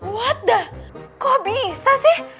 what the kok bisa sih